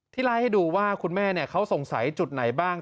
ไล่ให้ดูว่าคุณแม่เขาสงสัยจุดไหนบ้าง